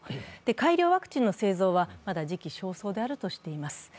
改良ワクチンの製造はまだ時期尚早であるとしています。